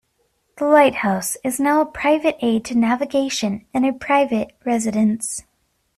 The lighthouse is now a private aid to navigation and a private residence.